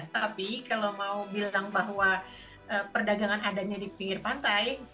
tapi kalau mau bilang bahwa perdagangan adanya di pinggir pantai